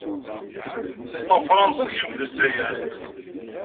Teffeɣ Fransa, tekcem-d Zzayer.